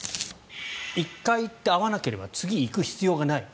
１回行って合わなければ次行く必要がない。